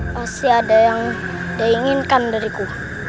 pasti ada yang diinginkan dariku